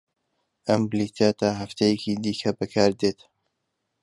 ئەم بلیتە تا هەفتەیەکی دیکە بەکاردێت.